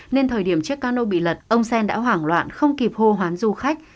nên thời điểm chiếc cano bị lật ông xen đã hoảng loạn không kịp hô hoán du khách